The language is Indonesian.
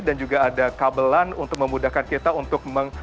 dan juga ada kabelan untuk memudahkan kita untuk mengupload